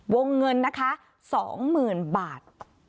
วงเงินนะคะ๒๐๐๐๐บาท